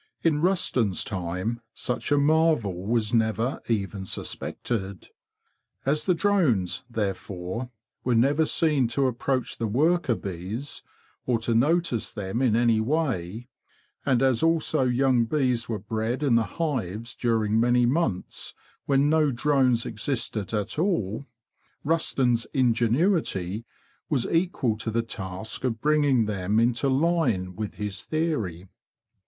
In Rusden's time such a THE KING'S BEE MASTER 149 marvel was never even suspected. As the drones, therefore, were never seen to approach the worker bees or to notice them in any way, and as also young bees were bred in the hives during many months when no drones existed at all, Rusden's ingenuity was equal to the task of bringing them into line with his theory.